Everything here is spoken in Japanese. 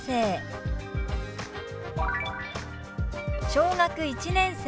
「小学１年生」。